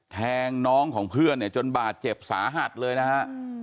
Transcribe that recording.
แทงน้องของเพื่อนเนี่ยจนบาดเจ็บสาหัสเลยนะฮะ